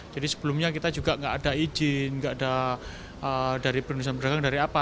jadi sebelumnya kita juga gak ada izin gak ada dari penerimaan beragam dari apa